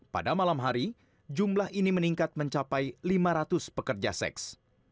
pada malam hari jumlah ini meningkat mencapai lima ratus pekerja seks